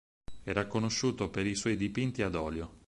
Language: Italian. Era conosciuto per i suoi dipinti ad olio.